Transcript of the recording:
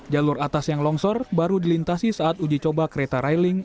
jalur atas yang longsor baru dilintasi saat uji coba kereta riling